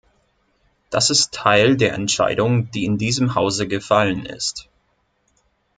Das ist Teil der Entscheidung, die in diesem Hause gefallen ist.